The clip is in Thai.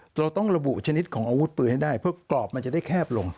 เราต้องระบุชนิดของอาวุธปืนให้ได้เพื่อกรอบมันจะได้แคบลง